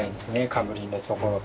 かぶりのところ。